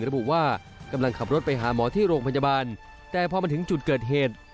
ระบุว่ากำลังขับรถไปหาหมอที่โรงพยาบาลแต่พอมาถึงจุดเกิดเหตุ